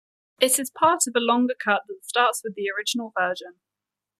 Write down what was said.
It is part of a longer cut that starts with the original version.